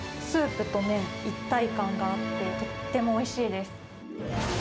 スープと麺、一体感があってとってもおいしいです。